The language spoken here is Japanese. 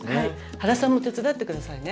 原さんも手伝って下さいね。